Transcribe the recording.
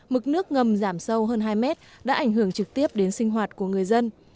mực nước ngầm giảm sâu hơn hai mét đã ảnh hưởng trực tiếp đến sinh hoạt của người dân